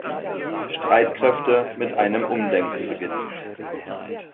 Streitkräfte mit einem Umdenken beginnen.